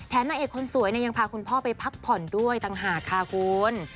นางเอกคนสวยยังพาคุณพ่อไปพักผ่อนด้วยต่างหากค่ะคุณ